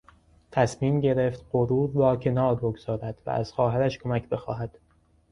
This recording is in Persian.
تصمیم گرفت غرور را کنار بگذارد و از خواهرش کمک بخواهد.